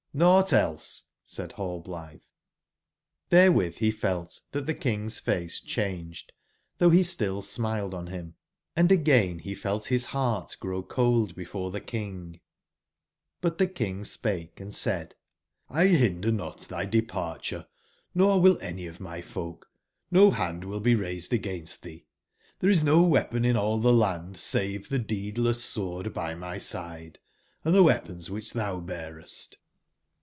'']Vought else," said nallblitbej(^Cberewith be felt tbat tbe King's face changed though be still smiled on him, andagain he felt bis heart grow cold before theKing j^But tbe King spake and said: *'X binder not thy hz 99 departure, nor will any of my folk. ]Vo band will be raieed against tbee ; tberc is no weapon in all tbe land, save tbedeedless eword by my side & tbe wea pons wbicb tbou bearest."